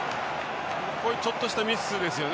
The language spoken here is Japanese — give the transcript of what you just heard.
こういうちょっとしたミスですよね。